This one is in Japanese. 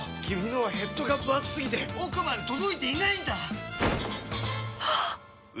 君のはヘッドがぶ厚すぎて奥まで届いていないんだっ！